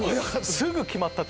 「すぐ決まった」って。